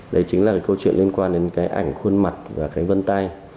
đấy chính là cái câu chuyện liên quan đến cái ảnh khuôn mặt và cái vân tay